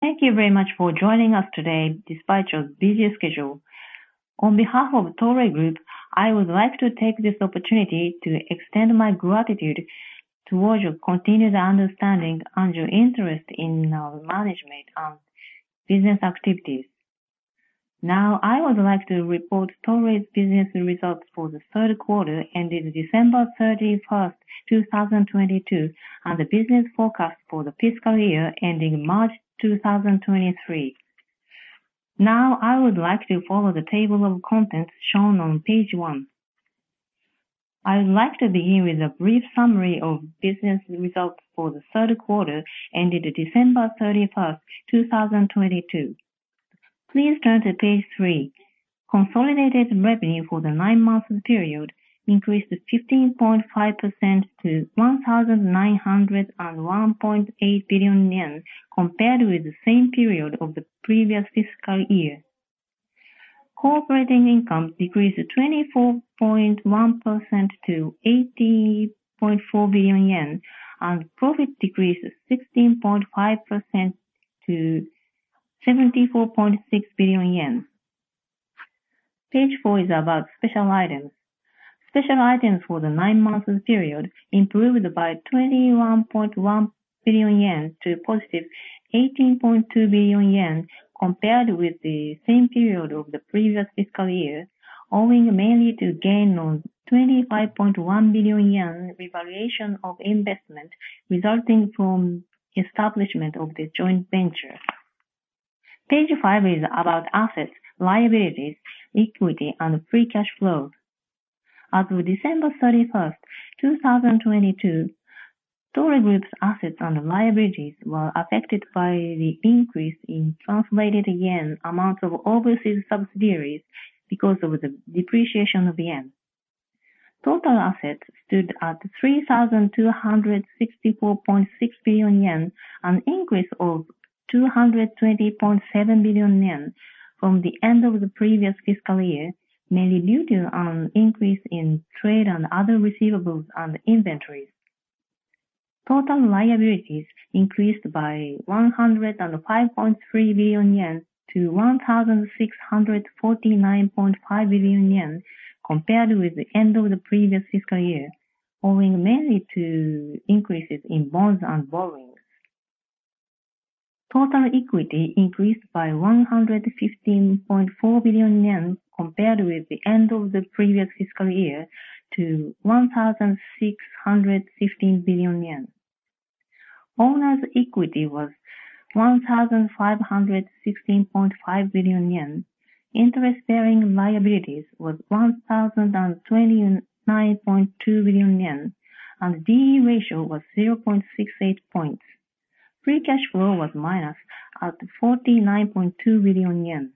Thank you very much for joining us today despite your busy schedule. On behalf of Toray Group, I would like to take this opportunity to extend my gratitude towards your continued understanding and your interest in our management and business activities. I would like to report Toray's business results for the Q3 ending December 31, 2022, and the business forecast for the fiscal year ending March 2023. I would like to follow the table of contents shown on page one. I would like to begin with a brief summary of business results for the Q3 ending December 31, 2022. Please turn to page 3. Consolidated revenue for the nine-month period increased 15.5% to 1,901.8 billion yen compared with the same period of the previous fiscal year. Operating income decreased 24.1% to JPY 80.4 billion, and profit decreased 16.5% to 74.6 billion yen. Page four is about special items. Special items for the nine-month period improved by 21.1 billion yen to positive 18.2 billion yen compared with the same period of the previous fiscal year, owing mainly to gain on 25.1 billion yen revaluation of investment resulting from establishment of the joint venture. Page five is about assets, liabilities, equity and free cash flow. As of December 31st, 2022, Toray Group's assets and liabilities were affected by the increase in translated yen amount of overseas subsidiaries because of the depreciation of the yen. Total assets stood at 3,264.6 billion yen, an increase of 220.7 billion yen from the end of the previous fiscal year, mainly due to an increase in trade and other receivables on the inventories. Total liabilities increased by 105.3 billion yen to 1,649.5 billion yen compared with the end of the previous fiscal year, owing mainly to increases in bonds and borrowings. Total equity increased by 115.4 billion yen compared with the end of the previous fiscal year to 1,615 billion yen. Owner's equity was 1,516.5 billion yen. Interest-bearing liabilities was 1,029.2 billion yen, and D/E ratio was 0.68 points. Free cash flow was minus at 49.2 billion yen.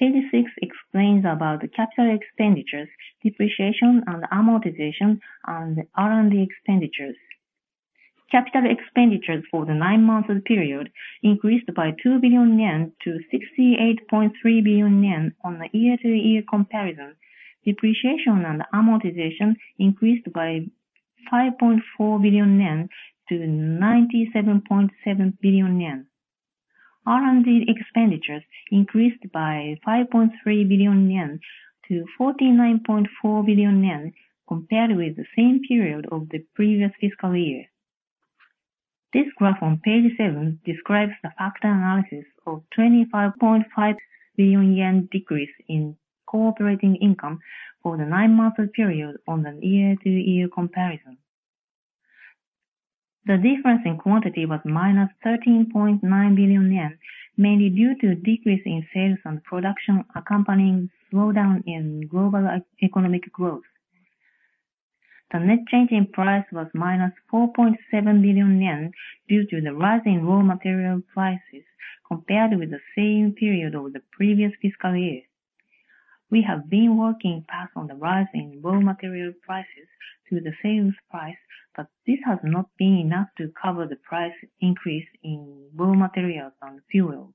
Page six explains about the capital expenditures, depreciation and amortization, and the R&D expenditures. Capital expenditures for the nine-month period increased by 2 billion yen to 68.3 billion yen on the year-to-year comparison. Depreciation and amortization increased by 5.4 billion-97.7 billion yen. R&D expenditures increased by 5.3 billion-49.4 billion yen compared with the same period of the previous fiscal year. This graph on page seven describes the factor analysis of 25.5 billion yen decrease in operating income for the nine-month period on the year-to-year comparison. The difference in quantity was -13.9 billion yen, mainly due to decrease in sales and production accompanying slowdown in global economic growth. The net change in price was -4.7 billion yen due to the rising raw material prices compared with the same period of the previous fiscal year. We have been working hard on the rising raw material prices to the sales price, but this has not been enough to cover the price increase in raw materials and fuel.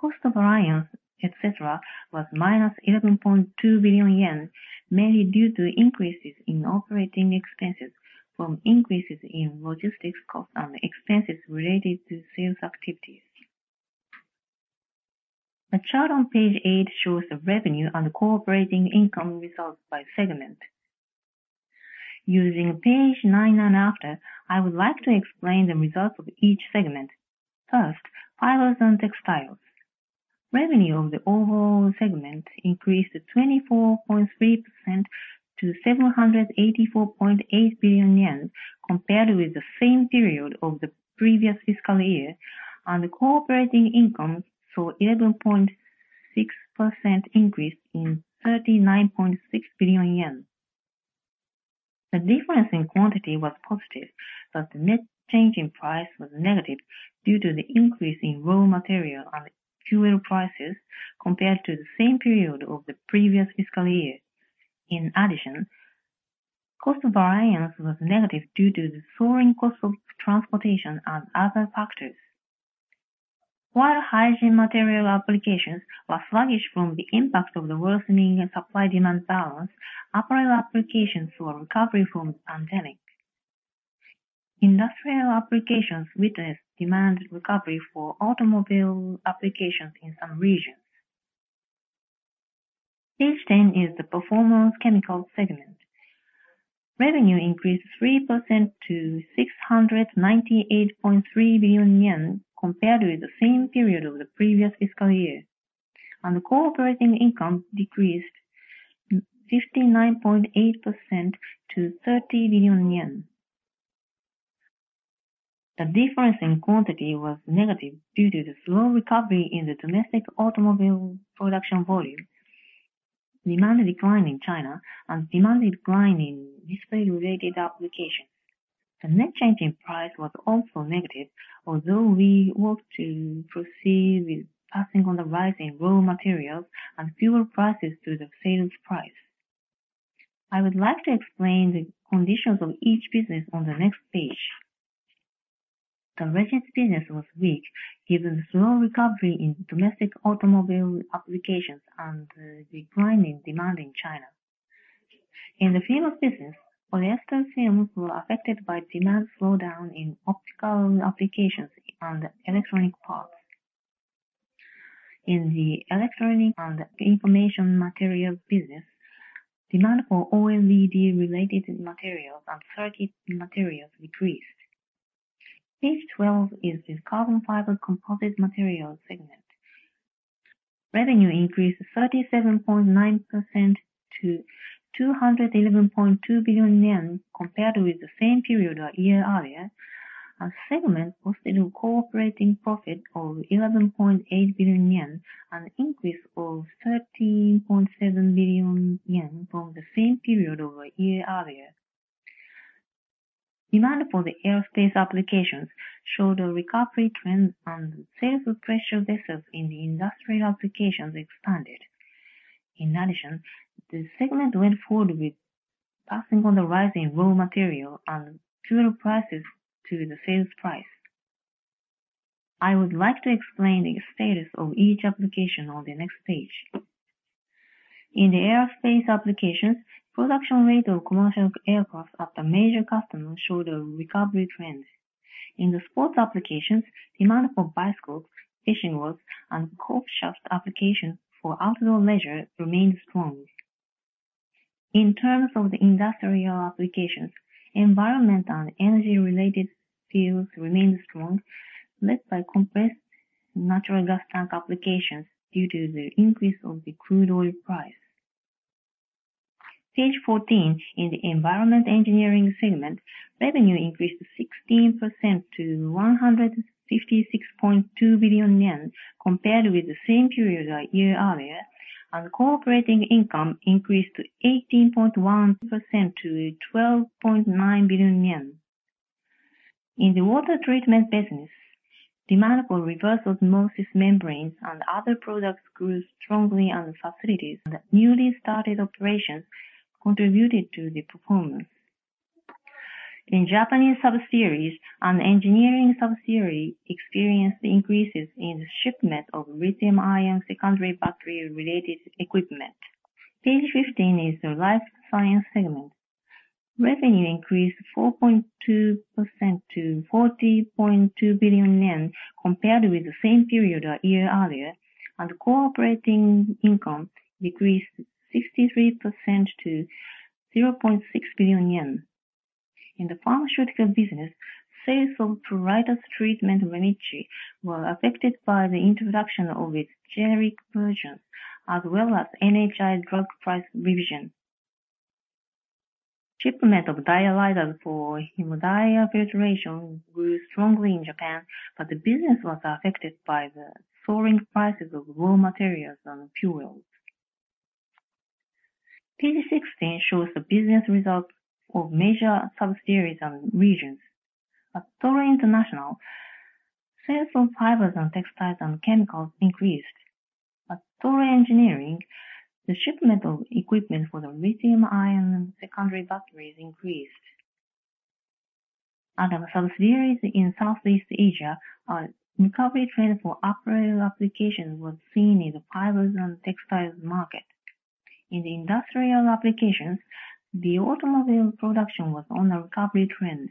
Cost of sales, et cetera, was -11.2 billion yen, mainly due to increases in operating expenses from increases in logistics costs and expenses related to sales activities. The chart on page eight shows the revenue and operating income results by segment. Using page nine and after, I would like to explain the results of each segment. First, fibers and textiles. Revenue of the overall segment increased to 24.3% to 784.8 billion yen compared with the same period of the previous fiscal year, and the operating income saw 11.6% increase in 39.6 billion yen. The difference in quantity was positive, but the net change in price was negative due to the increase in raw material and fuel prices compared to the same period of the previous fiscal year. In addition, cost of sales was negative due to the soaring cost of transportation and other factors. While hygiene material applications were sluggish from the impact of the worsening supply demand balance, apparel applications saw a recovery from the pandemic. Industrial applications witnessed demand recovery for automobile applications in some regions. Page 10 is the Performance Chemicals segment. Revenue increased 3% to 698.3 billion yen compared with the same period of the previous fiscal year. Operating income decreased 59.8% to JPY 30 billion. The difference in quantity was negative due to the slow recovery in the domestic automobile production volume, demand decline in China and demand decline in display-related applications. The net change in price was also negative, although we worked to proceed with passing on the rising raw materials and fuel prices to the sales price. I would like to explain the conditions of each business on the next page. The resins business was weak, given the slow recovery in domestic automobile applications and decline in demand in China. In the film business, polyester films were affected by demand slowdown in optical applications and electronic parts. In the electronic and information materials business, demand for OLED related materials and circuit materials decreased. Page 12 is the Carbon Fiber Composite Materials segment. Revenue increased 37.9% to 211.2 billion yen compared with the same period a year earlier. Segment posted an operating profit of 11.8 billion yen, an increase of 13.7 billion yen from the same period over a year earlier. Demand for the aerospace applications showed a recovery trend, sales of pressure vessels in the industrial applications expanded. The segment went forward with passing on the rising raw material and fuel prices to the sales price. I would like to explain the status of each application on the next page. In the aerospace applications, production rate of commercial aircraft at the major customers showed a recovery trend. In the sports applications, demand for bicycles, fishing rods and golf shafts applications for outdoor leisure remained strong. In terms of the industrial applications, environment and energy-related fields remained strong, led by compressed natural gas tank applications due to the increase of the crude oil price. Page 14 in the Environment & Engineering segment, revenue increased 16% to 156.2 billion yen compared with the same period a year-earlier. Operating income increased 18.1% to 12.9 billion yen. In the water treatment business, demand for reverse osmosis membranes and other products grew strongly, and facilities that newly started operations contributed to the performance. In Japanese subsidiaries and engineering subsidiary experienced increases in the shipment of lithium-ion secondary battery related equipment. Page 15 is the Life Science segment. Revenue increased 4.2% to 40.2 billion yen compared with the same period a year earlier. Operating income decreased 63% to 0.6 billion yen. In the pharmaceutical business, sales of psoriasis treatment, [Remitch], were affected by the introduction of its generic version, as well as NHI drug price revision. Shipment of dialyzers for hemodiafiltration grew strongly in Japan, but the business was affected by the soaring prices of raw materials and fuels. Page 16 shows the business results of major subsidiaries and regions. At Toray International, sales of fibers and textiles and chemicals increased. At Toray Engineering, the shipment of equipment for the lithium-ion secondary battery increased. At our subsidiaries in Southeast Asia, a recovery trend for apparel applications was seen in the fibers and textiles market. In the industrial applications, the automobile production was on a recovery trend.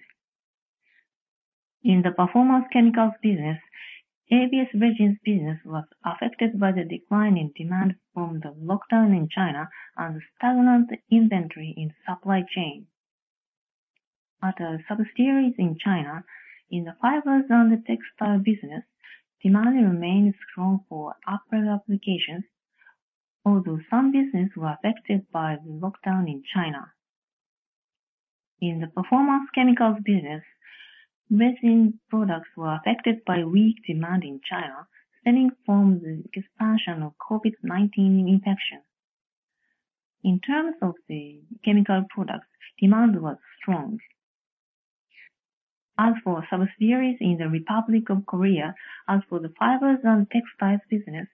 In the Performance Chemicals business, ABS resins business was affected by the decline in demand from the lockdown in China and stagnant inventory in supply chain. At our subsidiaries in China, in the fibers and the textile business, demand remained strong for apparel applications, although some business were affected by the lockdown in China. In the Performance Chemicals business, resin products were affected by weak demand in China stemming from the expansion of COVID-19 infection. In terms of the chemical products, demand was strong. As for subsidiaries in the Republic of Korea, as for the fibers and textiles business,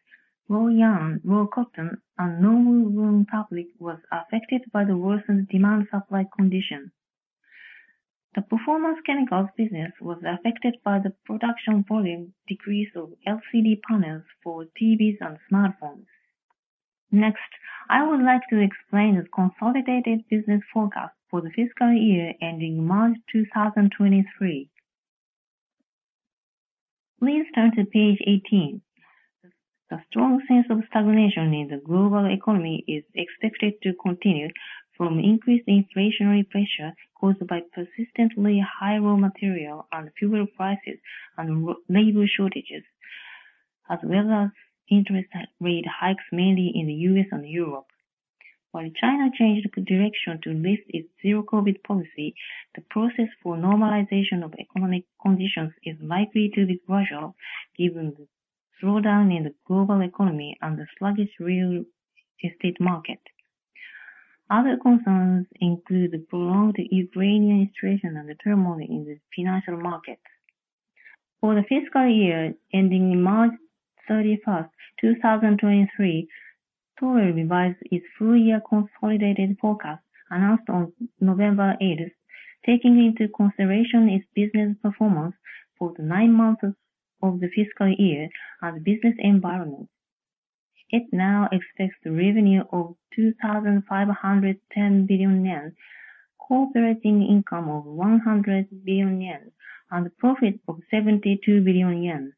raw yarn, raw cotton, and normal room fabric was affected by the worsened demand supply condition. The Performance Chemicals business was affected by the production volume decrease of LCD panels for TVs and smartphones. Next, I would like to explain the consolidated business forecast for the fiscal year ending March 2023. Please turn to page 18. The strong sense of stagnation in the global economy is expected to continue from increased inflationary pressure caused by persistently high raw material and fuel prices and labor shortages, as well as interest rate hikes mainly in the U.S. and Europe. China changed direction to lift its zero COVID policy, the process for normalization of economic conditions is likely to be gradual given the slowdown in the global economy and the sluggish real estate market. Other concerns include the prolonged Ukrainian situation and the turmoil in the financial market. For the fiscal year ending March 31st, 2023, Toray revised its full year consolidated forecast announced on November 8, taking into consideration its business performance for the nine months of the fiscal year and business environment. It now expects the revenue of 2,510 billion yen, operating income of 100 billion yen, and profit of 72 billion yen.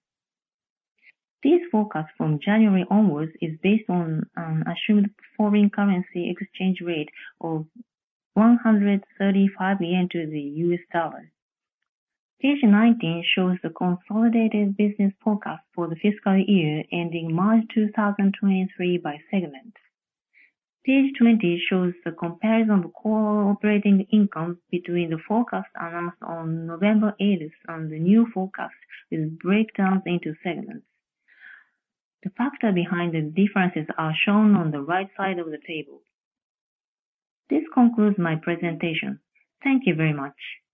This forecast from January onwards is based on an assumed foreign currency exchange rate of 135 yen to the U.S. dollar. Page 19 shows the consolidated business forecast for the fiscal year ending March 2023 by segment. Page 20 shows the comparison of core operating income between the forecast announced on November 8 and the new forecast, with breakdowns into segments. The factor behind the differences are shown on the right side of the table. This concludes my presentation. Thank you very much.